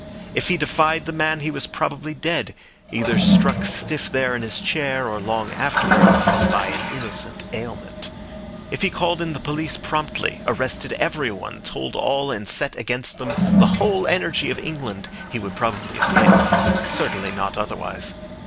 If he defied the man he was probably dead, either struck stiff there in his chair or long afterwards as by an innocent ailment. If he called in the police promptly, arrested everyone, told all, and set against them the whole energy of England, he would probably escape; certainly not otherwise.